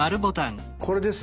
これですね。